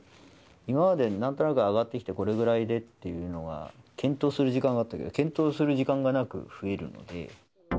今までなんとなく上がってきて、これぐらいでっていうのが、検討する時間があったけど、検討する時間がなく増えるので。